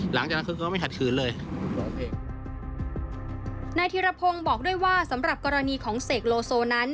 หลังจากนั้นคือก็ไม่ขัดขืนเลยร้องเพลงนายธิรพงศ์บอกด้วยว่าสำหรับกรณีของเสกโลโซนั้น